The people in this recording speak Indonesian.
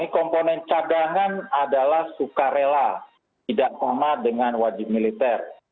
komponen cadangan adalah sukarela tidak sama dengan wajib militer